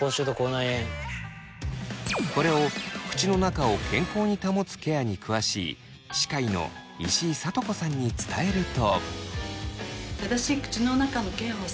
これを口の中を健康に保つケアに詳しい歯科医の石井さとこさんに伝えると。